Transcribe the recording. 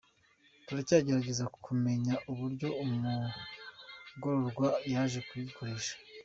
Turacyagerageza kumenya uburyo umugororwa yaje kuyikoresha.